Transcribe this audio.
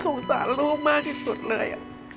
สงสารลูกมากที่สุดเลย